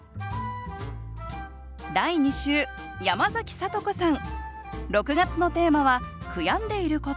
第２週山崎聡子さん